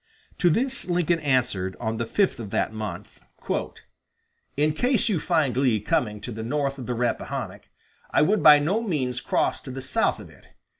To this Lincoln answered on the fifth of that month: "In case you find Lee coming to the north of the Rappahannock, I would by no means cross to the south of it.